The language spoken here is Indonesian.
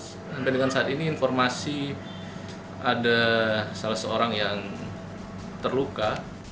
sampai dengan saat ini informasi ada salah seorang yang terluka